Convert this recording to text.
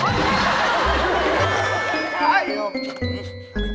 โอ๊ยข้าวนั่งพาดหน่อยนะลูก